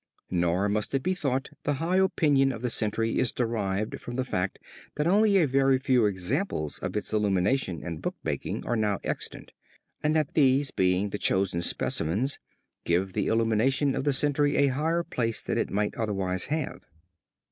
Nor must it be thought the high opinion of the century is derived from the fact that only a very few examples of its illumination and bookmaking are now extant, and that these being the chosen specimens give the illumination of the century a higher place than it might otherwise have.